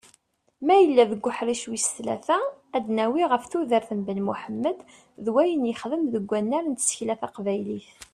Ma yella deg uḥric wis tlata, ad d-nawwi ɣef tudert n Ben Muḥemmed d wayen yexdem deg wunar n tsekla taqbaylit.